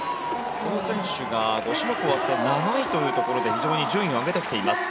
この選手が５種目終わって７位というところで非常に順位を上げてきています。